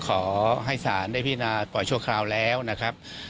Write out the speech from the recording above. ขอให้สารได้พินาปล่อยชั่วคราวแล้วนะครับ